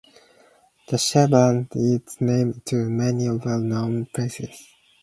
The shape lends its name to many well-known places.